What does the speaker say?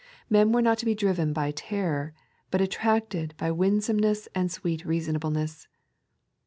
Men were not to be driven by terror, but attracted by winaomeoees and sweet reasonableness.